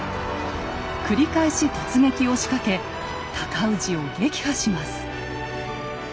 繰り返し突撃を仕掛け尊氏を撃破します。